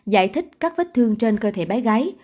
giải thích các vết thương trên cơ thể bé gái